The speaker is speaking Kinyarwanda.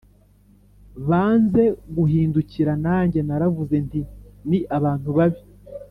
banze guhindukira nanjye naravuze nti ni abantu babi